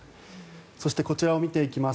そしてこちらを見ていきます。